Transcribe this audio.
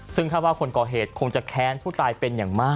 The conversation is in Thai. ซึ่งคาดว่าคนก่อเหตุคงจะแค้นผู้ตายเป็นอย่างมาก